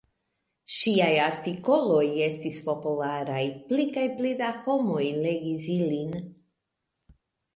Ŝiaj artikoloj estis popularaj, pli kaj pli da homoj legis ilin.